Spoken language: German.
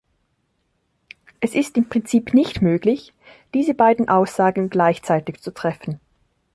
Es ist im Prinzip nicht möglich, diese beiden Aussagen gleichzeitig zu treffen.